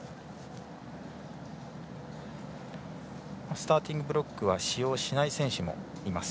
スターティングブロックを使用しない選手もいます。